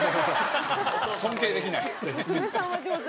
尊敬できない。